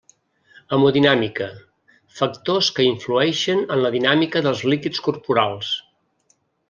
Hemodinàmica: factors que influïxen en la dinàmica dels líquids corporals.